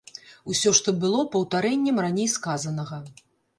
Усё, што было, паўтарэннем раней сказанага.